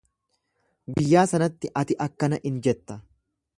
Guyyaa sanatti ati akkana in jetta.